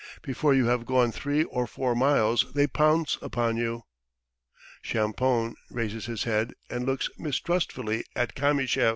Before you have gone three or four miles they pounce upon you." Champoun raises his head and looks mistrustfully at Kamyshev.